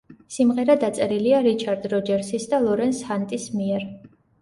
სიმღერა დაწერილია რიჩარდ როჯერსის და ლორენს ჰანტის მიერ.